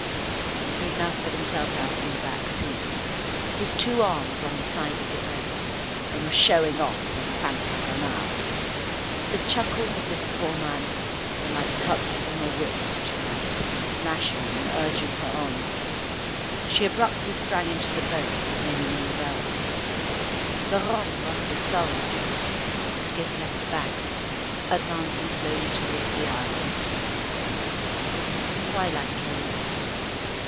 He had now spread himself out on the back seat, his two arms on the sides of the boat, and was showing off with fanfaronade. The chuckles of this poor man were like cuts from a whip to Thérèse, lashing and urging her on. She abruptly sprang into the boat, remaining in the bows. Laurent grasped the skulls. The skiff left the bank, advancing slowly towards the isles. Twilight came.